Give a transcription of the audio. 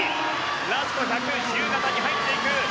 ラスト１００ｍ自由形に入っていく。